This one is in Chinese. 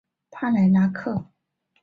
帕莱拉克。